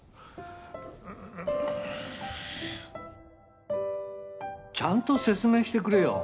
うーん。ちゃんと説明してくれよ。